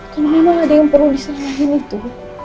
karena memang ada yang perlu disalahin itu